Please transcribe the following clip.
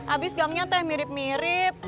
abis gangnya teh mirip mirip